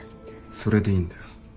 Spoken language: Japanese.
それでいいんだよ。